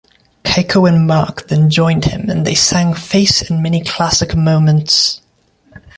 Keiko and Marc then joined him and they sang "Face" and "Many Classic Moments".